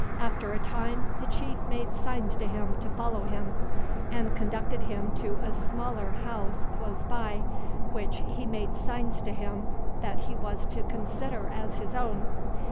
After a time, the chief made signs to him to follow him, and conducted him to a smaller house close by, which he made signs to him that he was to consider as his own.